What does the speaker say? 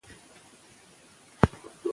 د پښتو ژبې شاعري زموږ د کلتور ویاړ ده.